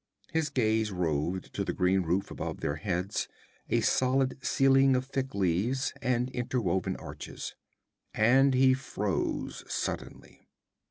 His gaze roved to the green roof above their heads, a solid ceiling of thick leaves and interwoven arches. And he froze suddenly.